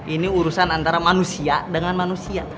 ini urusan antara manusia dengan manusia